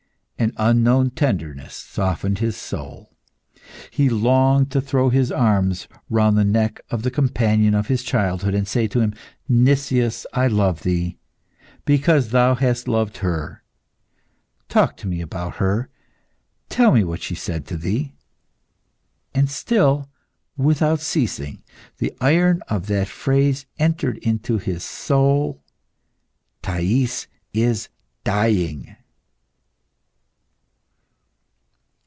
An unknown tenderness softened his soul. He longed to throw his arms round the neck of the companion of his childhood and say to him, "Nicias, I love thee, because thou hast loved her. Talk to me about her. Tell me what she said to thee." And still, without ceasing, the iron of that phrase entered into his soul "Thais is dying!"